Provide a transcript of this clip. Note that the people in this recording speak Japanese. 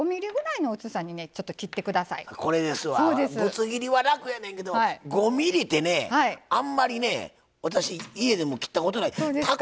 ぶつ切りは楽やねんけど５ｍｍってね、あんまりね私、切ったことない。